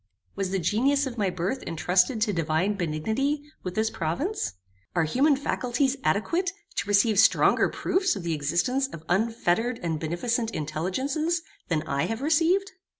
Was the genius of my birth entrusted by divine benignity with this province? Are human faculties adequate to receive stronger proofs of the existence of unfettered and beneficent intelligences than I have received?